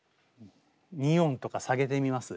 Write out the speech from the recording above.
２音とか下げてみます？